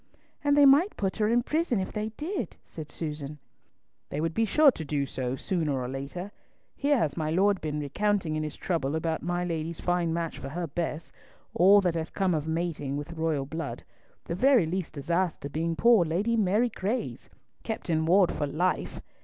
"And they might put her in prison if they did," said Susan. "They would be sure to do so, sooner or later. Here has my lord been recounting in his trouble about my lady's fine match for her Bess, all that hath come of mating with royal blood, the very least disaster being poor Lady Mary Grey's! Kept in ward for life!